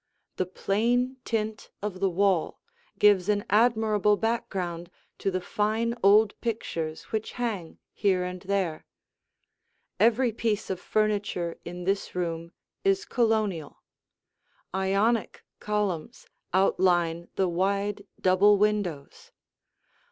The plain tint of the wall gives an admirable background to the fine old pictures which hang here and there. Every piece of furniture in this room is Colonial. Ionic columns outline the wide double windows.